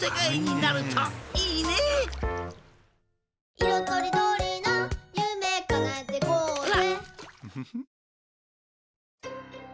とりどりなゆめかなえてこうぜ！」